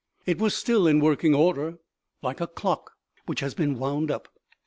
It was still in working order, like a clock which has been wound up.